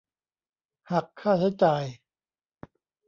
หักค่าใช้จ่าย